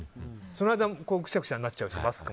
その間くしゃくしゃになっちゃうし。